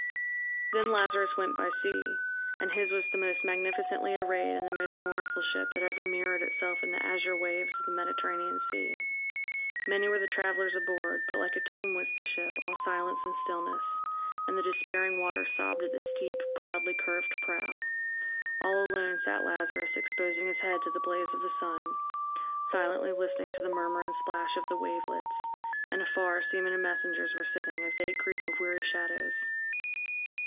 Then Lazarus went by sea. And his was the most magnificently arrayed and the most mournful ship that ever mirrored itself in the azure waves of the Mediterranean Sea. Many were the travelers aboard, but like a tomb was the ship, all silence and stillness, and the despairing water sobbed at the steep, proudly curved prow. All alone sat Lazarus exposing his head to the blaze of the sun, silently listening to the murmur and splash of the wavelets, and afar seamen and messengers were sitting, a vague group of weary shadows.